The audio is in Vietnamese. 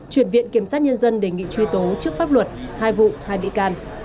chuyển viện kiểm sát nhân dân đề nghị truy tố trước pháp luật hai vụ hai bị can